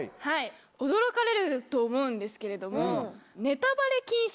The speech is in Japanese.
驚かれると思うんですけれども。